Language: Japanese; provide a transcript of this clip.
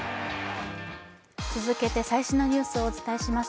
続けて最新のニュースをお伝えします。